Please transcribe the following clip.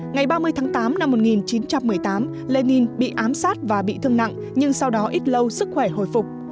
ngày ba mươi tháng tám năm một nghìn chín trăm một mươi tám lenin bị ám sát và bị thương nặng nhưng sau đó ít lâu sức khỏe hồi phục